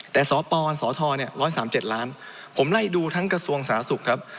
แต่สปสท๑๓๗ล้านผมไล่ดูทั้งกระทรวงสาธารณสุขครับ